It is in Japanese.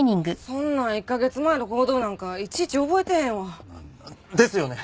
そんな１カ月前の行動なんかいちいち覚えてへんわ。ですよね。